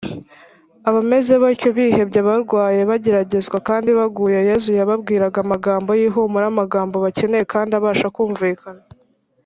. Abameze batyo, bihebye, barwaye, bageragezwa, kandi baguye, Yesu yababwiraga amagambo y’ihumure, amagambo bakeneye kandi abasha kumvikana.